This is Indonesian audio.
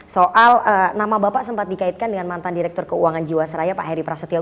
soal nama bapak sempat dikaitkan dengan mantan direktur keuangan jiwasraya pak heri prasetyo